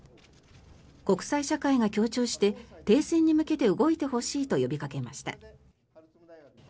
国際社会が協調して停戦に向けて動いてほしいと呼びかけました。